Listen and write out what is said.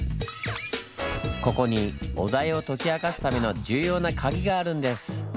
ここにお題を解き明かすための重要なカギがあるんです。